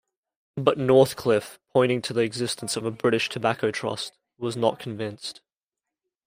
But Northcliffe, pointing to the existence of a British Tobacco Trust, was not convinced.